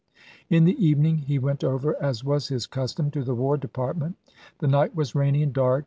In the evening he went over,1 as was his custom, to the War Department. The night was rainy and dark.